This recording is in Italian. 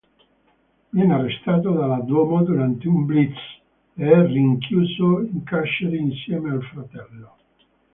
Viene arrestato dalla Duomo durante un blitz e rinchiuso in carcere insieme al fratello.